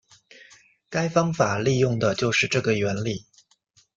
该方法利用的就是这个原理。